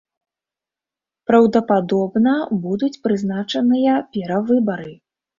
Праўдападобна, будуць прызначаныя перавыбары.